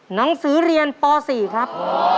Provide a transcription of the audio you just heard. หนังสือเรียนป๔ครับ